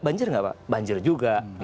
banjir nggak pak banjir juga